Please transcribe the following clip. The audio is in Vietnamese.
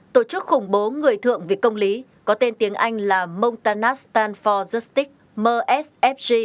hai tổ chức khủng bố người thượng vì công lý có tên tiếng anh là montanastan for justice msfg